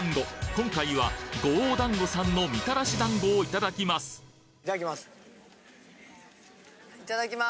今回は五王団子さんのみたらし団子をいただきますいただきます。